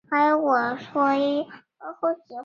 大卡萨是巴西米纳斯吉拉斯州的一个市镇。